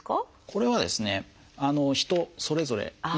これはですね人それぞれになります。